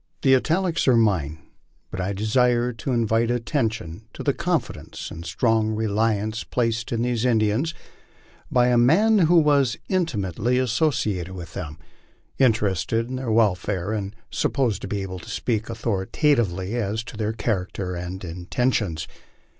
The italics are mine, but I desire to invite attention to the confidence and strong reliance placed in these Indians by a man who was intimately associated with them, interested in their welfare, and supposed to be able to speak au thoritatively as to their character and intentions.